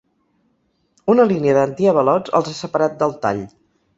Una línia d’antiavalots els ha separat del tall.